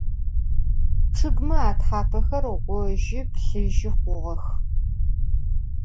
Ççıgme athapexer ğojı, plhıjı xhuğex.